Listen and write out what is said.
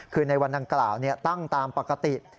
คือในวันดังกล่าวตั้งตามปกติ